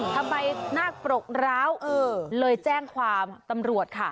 ทำไมนาคปรกร้าวเลยแจ้งความตำรวจค่ะ